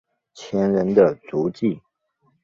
前人的足迹